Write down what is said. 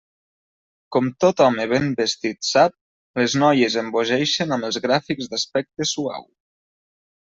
Com tot home ben vestit sap, les noies embogeixen amb els gràfics d'aspecte suau.